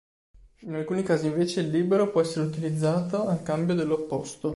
In alcuni casi invece il libero può essere utilizzato al cambio dell'opposto.